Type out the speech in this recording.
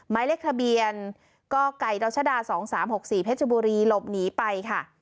ไม้เล็กทะเบียนก็ไก่ดาวชดาสองสามหกสี่เพชรบุรีหลบหนีไปค่ะ